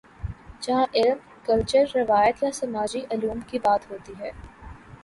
جہاں علم، کلچر، روایت یا سماجی علوم کی بات ہوتی ہے۔